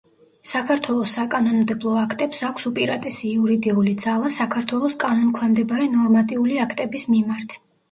საქართველოს საკანონმდებლო აქტებს აქვს უპირატესი იურიდიული ძალა საქართველოს კანონქვემდებარე ნორმატიული აქტების მიმართ.